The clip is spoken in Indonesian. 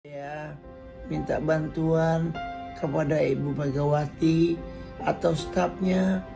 saya minta bantuan kepada ibu megawati atau staff nya